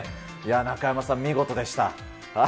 中山さん、見事でした。